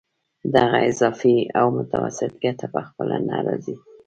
دغه اضافي او متوسطه ګټه په خپله نه راځي